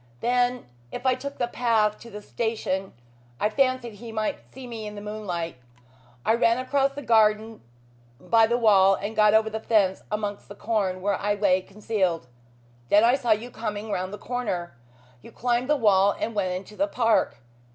Then if I took the path to the station I fancied he might see me in the moonlight. I ran across the garden by the wall and got over the fence amongst the corn, where I lay concealed. Then I saw you coming round the corner. You climbed the wall and went into the park.